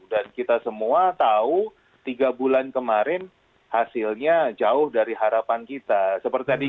dan kita semua tahu tiga bulan kemarin hasilnya jauh dari harapan kita